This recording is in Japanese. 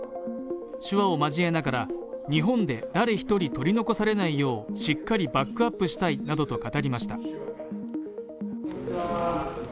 手話を交えながら日本で誰一人取り残されないようしっかりバックアップしたいなどと語りました。